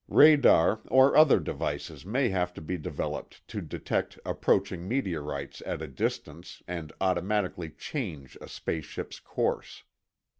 Radar or other devices may have to be developed to detect approaching meteorites at a distance and automatically change a space ship's course.